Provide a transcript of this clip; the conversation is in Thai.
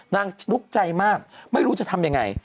นางทุกข์ใจมากไม่รู้จะทำยังไง